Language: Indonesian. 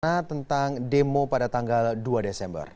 bicara tentang demo pada tanggal dua desember